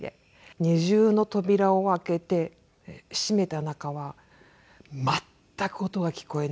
２重の扉を開けて閉めた中は全く音が聞こえない外の。